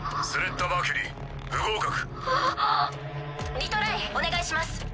リトライお願いします。